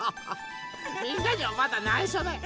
みんなにはまだないしょだよ。